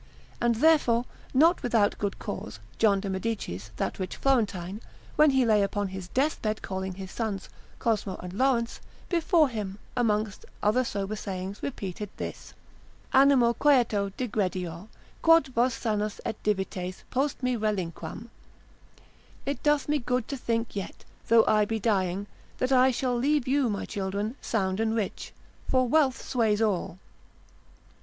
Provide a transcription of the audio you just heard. And therefore not without good cause, John de Medicis, that rich Florentine, when he lay upon his death bed, calling his sons, Cosmo and Laurence, before him, amongst other sober sayings, repeated this, animo quieto digredior, quod vos sanos et divites post me relinquam, It doth me good to think yet, though I be dying, that I shall leave you, my children, sound and rich: for wealth sways all.